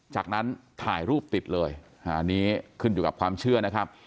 จากนั้นถ่ายรูปติดเลยอันนี้ขึ้นอยู่กับความเชื่อนะครับ